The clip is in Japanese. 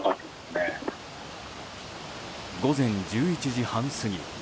午前１１時半過ぎ。